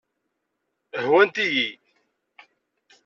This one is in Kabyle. Ḥewwant-iyi.